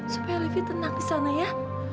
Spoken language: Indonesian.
supaya livi tenang di sana ya